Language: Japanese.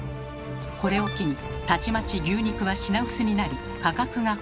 これを機にたちまち牛肉は品薄になり価格が高騰。